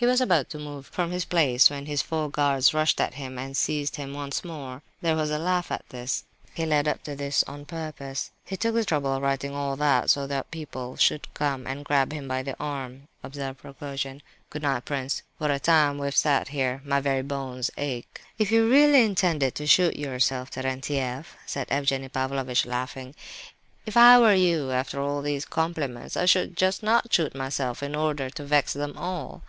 He was about to move from his place, when his four guards rushed at him and seized him once more. There was a laugh at this. "He led up to this on purpose. He took the trouble of writing all that so that people should come and grab him by the arm," observed Rogojin. "Good night, prince. What a time we've sat here, my very bones ache!" "If you really intended to shoot yourself, Terentieff," said Evgenie Pavlovitch, laughing, "if I were you, after all these compliments, I should just not shoot myself in order to vex them all."